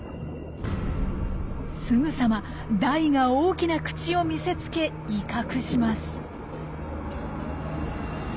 すぐさまダイが大きな口を見せつけ威嚇します。